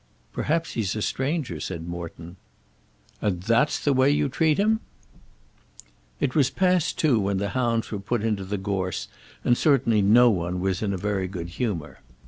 "Perhaps he's a stranger," said Morton. "And that's the way you treat him!" It was past two when the hounds were put into the gorse, and certainly no one was in a very good humour.